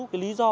cái lý do